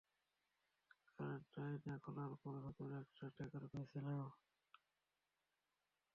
কন্টেইনারটা খোলার পর ভেতরে একটা ট্র্যাকার পেয়েছিলাম।